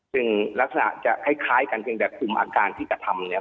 ซึ่งลักษณะจะคล้ายกันเพียงแต่คุมอาการที่กระทำเนี่ย